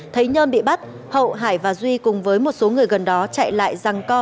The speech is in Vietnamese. thấy nhơn bị bắt hậu hải và duy cùng với một số người gần đó chạy lại răng co